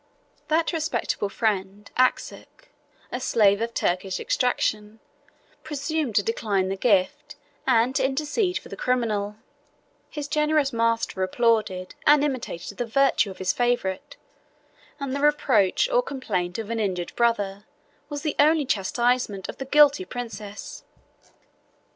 That respectable friend Axuch, a slave of Turkish extraction, presumed to decline the gift, and to intercede for the criminal: his generous master applauded and imitated the virtue of his favorite, and the reproach or complaint of an injured brother was the only chastisement of the guilty princess.